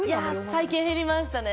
最近減りましたね。